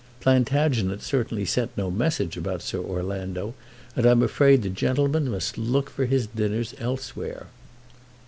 Plantagenet certainly sent no message about Sir Orlando, and I'm afraid the gentleman must look for his dinners elsewhere."